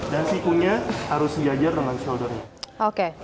dan sikunya harus sejajar dengan shoulder nya